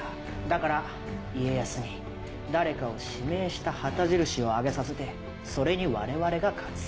だから家康に誰かを指名した旗印をあげさせてそれに我々が勝つ。